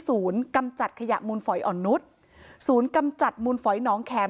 ศูนย์กำจัดขยะมูลฝอยออนุสศูนย์กำจัดมูลฝอยน้องแขม